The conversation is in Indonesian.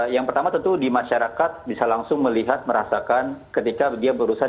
yang pertama tentu di masyarakat bisa langsung melihat merasakan ketika dia berusaha